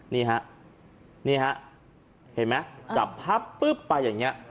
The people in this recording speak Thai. นี่ฮะนี่ฮะเห็นไหมจับพับปุ๊บไปอย่างนี้